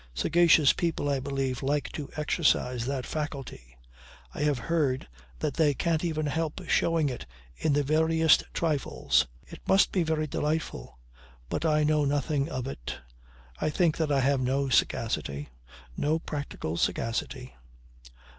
Sagacious people I believe like to exercise that faculty. I have heard that they can't even help showing it in the veriest trifles. It must be very delightful. But I know nothing of it. I think that I have no sagacity no practical sagacity."